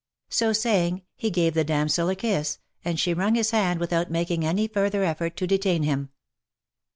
So saying, he gave the damsel a kiss, and she wrung his hand without making any further effort to detain him.